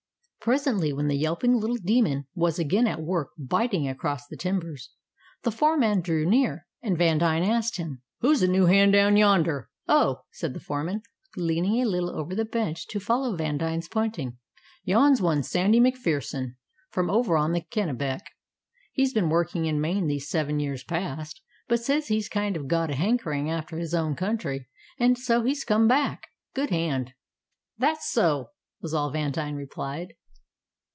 Presently, when the yelping little demon was again at work biting across the timbers, the foreman drew near, and Vandine asked him, "Who's the new hand down yonder?" "Oh!" said the foreman, leaning a little over the bench to follow Vandine's pointing, "yon's one Sandy MacPherson, from over on the Kennebec. He's been working in Maine these seven year past, but says he kind of got a hankering after his own country, an' so he's come back. Good hand!" "That so!" was all Vandine replied.